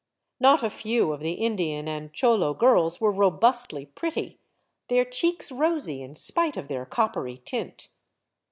Not a few of the Indian and cholo girls were robustly pretty, their cheeks rosy in spite of their coppery tint.